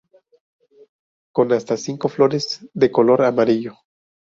Con hasta cinco flores de color amarillo.